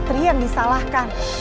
putri yang disalahkan